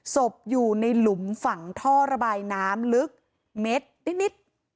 ศพอยู่ในหลุมฝั่งท่อระบายน้ำลึกเม็ดนิด